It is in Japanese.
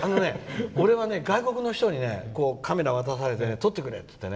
俺は外国の人にカメラを渡されて撮ってくれっていわれて。